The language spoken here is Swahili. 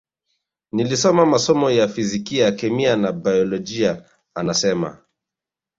Nilisoma masomo ya fizikia kemia na baiolojia anasema